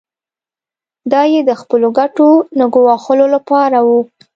دا یې د خپلو ګټو نه ګواښلو لپاره و.